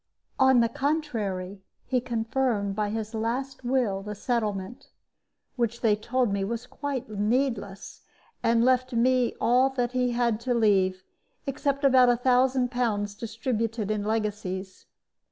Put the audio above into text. On the contrary, he confirmed by his last will the settlement which they told me was quite needless and left me all that he had to leave, except about a thousand pounds distributed in legacies.